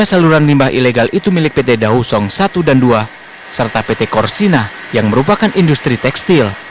tiga saluran limbah ilegal itu milik pt dausong satu dan dua serta pt korsina yang merupakan industri tekstil